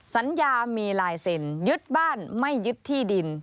สัญญามีลายเซ็นยึดบ้านไม่ยึดที่ดิน